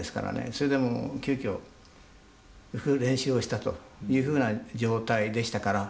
それでもう急きょ練習をしたというふうな状態でしたから。